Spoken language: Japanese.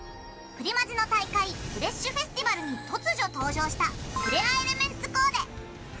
プリマジの大会フレッシュフェスティバルに突如登場したフレアエレメンツコーデ。